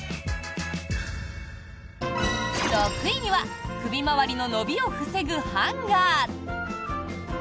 ６位には首回りの伸びを防ぐハンガー。